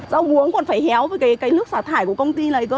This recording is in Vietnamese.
rau uống còn phải héo với cái nước xả thải của công ty này